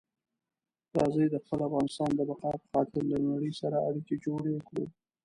راځئ د خپل افغانستان د بقا په خاطر له نړۍ سره اړیکي جوړې کړو.